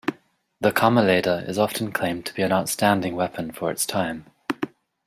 The "kammerlader" is often claimed to be an outstanding weapon for its time.